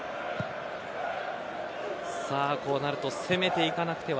こうなると攻めていかなくては。